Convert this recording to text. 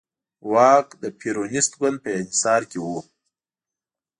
واک د پېرونېست ګوند په انحصار کې و.